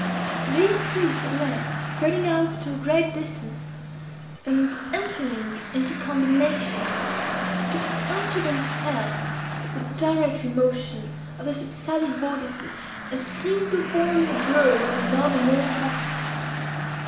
These streaks, at length, spreading out to a great distance, and entering into combination, took unto themselves the gyratory motion of the subsided vortices, and seemed to form the germ of another more vast.